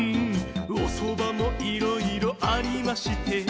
おそばもいろいろありまして』」